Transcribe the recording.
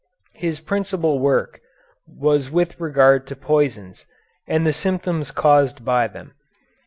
His principal work was with regard to poisons and the symptoms caused by them.